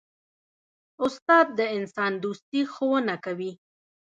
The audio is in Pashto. استاد د انسان دوستي ښوونه کوي.